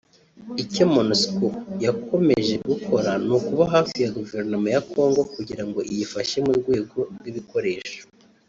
Icyo Monusco yakomeje gukora ni ukuba hafi ya guverinoma ya Congo kugira ngo iyifashe ku rwego rw’ibikoresho